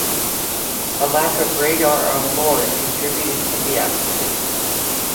A lack of radar onboard contributed to the accident.